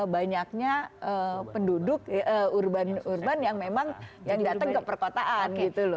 banyaknya penduduk urban urban yang memang yang datang ke perkotaan gitu loh